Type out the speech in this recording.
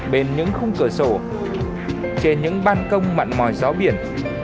bên những khung cửa sổ trên những ban công mặn mòi gió biển